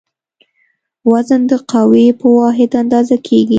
وزن د قوې په واحد اندازه کېږي.